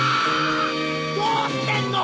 どうしてんの！？